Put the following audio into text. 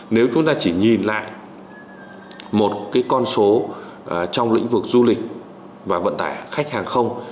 nếu chúng ta chỉ nhìn lại một cái con số trong lĩnh vực du lịch và vận tải khách hàng không